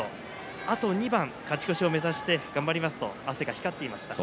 あと２番、勝ち越しを目指して頑張りますと汗が光っていました。